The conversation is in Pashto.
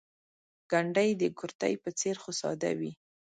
ګنډۍ د کورتۍ په څېر خو ساده وي.